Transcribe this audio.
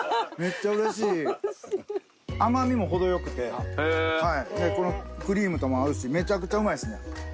甘みも程良くてこのクリームとも合うしめちゃくちゃうまいですね。